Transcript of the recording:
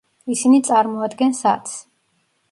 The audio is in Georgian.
ისინი წარმოადგენს ათს.